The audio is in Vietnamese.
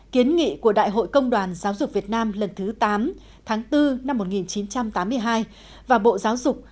kiến nghị của đại hội công đoàn giáo dục việt nam lần thứ tám tháng bốn năm một nghìn chín trăm tám mươi hai và bộ giáo dục